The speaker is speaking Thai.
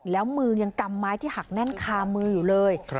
แล้วมือยังกำไม้ที่หักแน่นคามืออยู่เลย